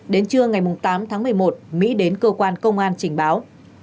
đến trưa ngày tám tháng một mươi một mỹ đến cơ quan công an trình báo